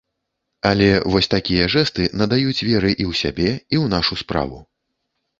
Але вось такія жэсты надаюць веры і ў сябе, і ў нашу справу.